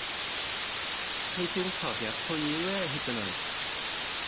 Nid yw'n cofio pwy yw e, hyd yn oed.